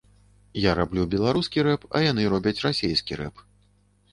Я раблю беларускі рэп, а яны робяць расейскі рэп.